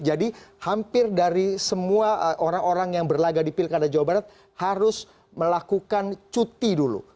jadi hampir dari semua orang orang yang berlagak di pilkada jawa barat harus melakukan cuti dulu